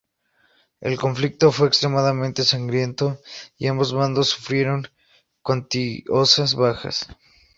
El conflicto fue extremadamente sangriento, y ambos bandos sufrieron cuantiosas bajas.